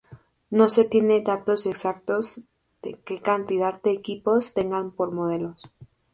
No se tienen datos exactos de que cantidad de equipos tengan por modelos.